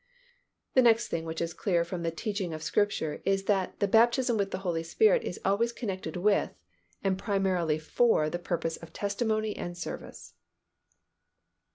The next thing which is clear from the teaching of Scripture is that the baptism with the Holy Spirit is always connected with, and primarily for the purpose of testimony and service.